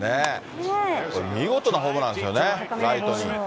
これ、見事なホームランですよね、ライトに。